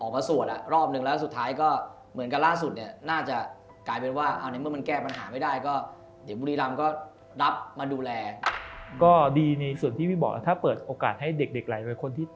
แล้วก็มันเป็นเรื่องที่ต้องผักกันทางโรงความยอมเยาะรมการ